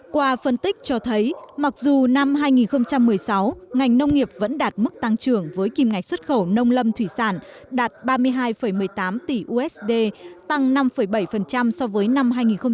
qua phân tích cho thấy mặc dù năm hai nghìn một mươi sáu ngành nông nghiệp vẫn đạt mức tăng trưởng với kim ngạch xuất khẩu nông lâm thủy sản đạt ba mươi hai một mươi tám tỷ usd tăng năm bảy so với năm hai nghìn một mươi bảy